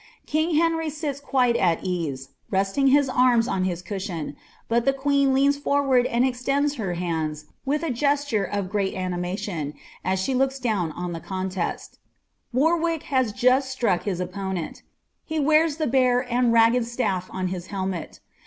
King Henry sits qoitc il om resting his anns on hie cushion, but tlie queen leans fonnud axid rttmb her hands with a gesture of great animation, as she looks down obA> contesL Warwick has just struck his opponent. He vnmrt the tac and ragged slaCon his helmet.